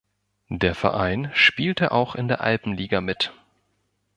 Der Verein spielte auch in der Alpenliga mit.